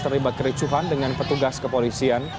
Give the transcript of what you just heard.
terlibat kericuhan dengan petugas kepolisian